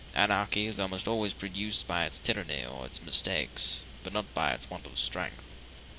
Anarchy is almost always produced by its tyranny or its mistakes, but not by its want of strength.